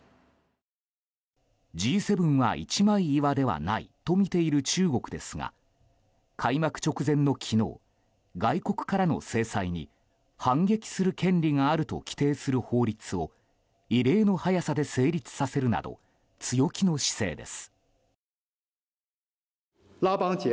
Ｇ７は一枚岩ではないとみている中国ですが開幕直前の昨日外国からの制裁に反撃する権利があると規定する法律を異例の早さで成立させるなど強気の姿勢です。